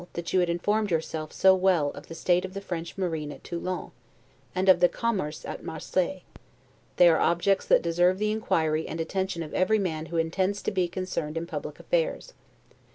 that you had informed yourself so well of the state of the French marine at Toulon, and of the commerce at Marseilles; they are objects that deserve the inquiry and attention of every man who intends to be concerned in public affairs.